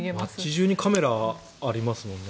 街中にカメラがありますもんね。